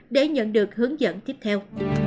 để nhận được hướng dẫn tiếp theo